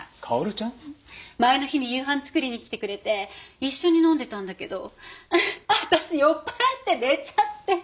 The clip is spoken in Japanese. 前の日に夕飯作りに来てくれて一緒に飲んでたんだけど私酔っ払って寝ちゃって。